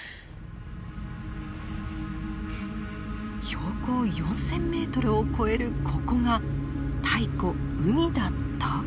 標高４，０００ｍを超えるここが太古海だった？